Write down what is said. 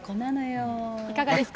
いかがですか？